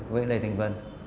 với lê thanh vân